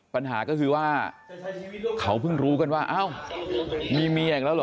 ปัญหาก็คือว่าเขาเพิ่งรู้กันว่าเอ้ามีเมียอีกแล้วเหรอ